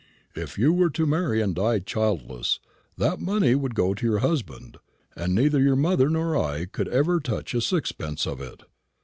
If you were to marry and die childless, that money would go to your husband, and neither your mother nor I would ever touch a sixpence of it.